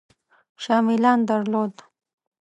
شاه میلان درلود.